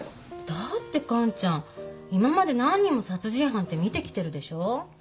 だって完ちゃん今まで何人も殺人犯って見てきてるでしょ？